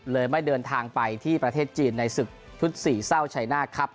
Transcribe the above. ไม่เดินทางไปที่ประเทศจีนในศึกชุดสี่เศร้าชัยนาคครับ